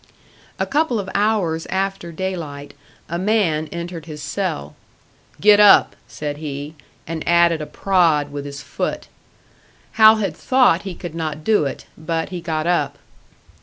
A couple of hours after daylight, a man entered his cell. "Get up," said he, and added a prod with his foot. Hal had thought he could not do it, but he got up.